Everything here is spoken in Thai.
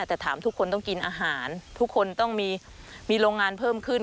แต่ถามทุกคนต้องกินอาหารทุกคนต้องมีโรงงานเพิ่มขึ้น